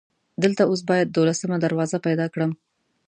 دلته اوس باید دولسمه دروازه پیدا کړم.